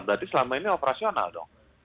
berarti selama ini operasional dong